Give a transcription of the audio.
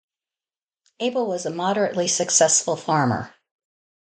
Abel was a moderately successful farmer.